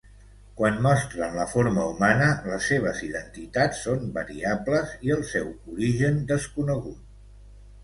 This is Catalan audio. Quan mostren la forma humana, les seves identitats són variables i el seu origen desconegut.